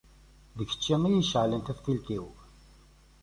D kečč i iceɛlen taftilt-iw.